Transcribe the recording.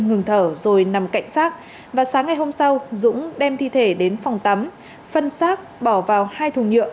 ngừng thở rồi nằm cạnh xác và sáng ngày hôm sau dũng đem thi thể đến phòng tắm phân xác bỏ vào hai thùng nhựa